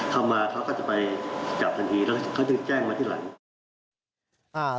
ทำมาเขาก็จะไปจับทันทีแล้วเขาจะแจ้งมาที่หลัง